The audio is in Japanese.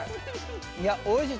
いやおいしい。